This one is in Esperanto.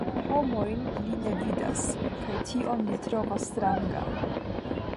Homojn li ne vidas, kaj tion li trovas stranga.